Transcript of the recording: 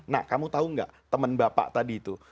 nah kamu tahu gak temen bapak tadi itu